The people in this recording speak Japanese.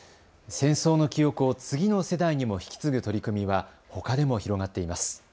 戦争の記憶を次の世代にも引き継ぐ取り組みはほかでも広がっています。